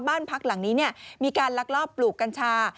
บ้านพักหลังนี้มีการลักลอบปลูกกัญชา